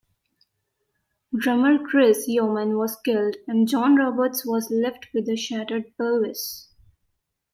Drummer Chris Yeoman was killed and Jon Roberts was left with a shattered pelvis.